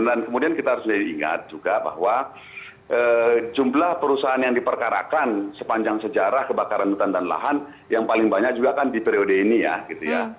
dan kemudian kita harus ingat juga bahwa jumlah perusahaan yang diperkarakan sepanjang sejarah kebakaran hutan dan lahan yang paling banyak juga kan di periode ini ya